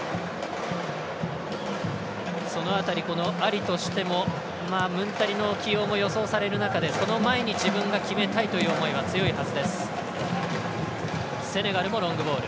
その辺り、アリとしてもムンタリの起用も予想される中でその前に自分が決めたいという思いは強いはずです。